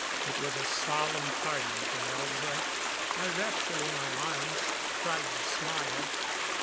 It was a solemn parting from Elza. I wrapped her in my arms, tried to smile.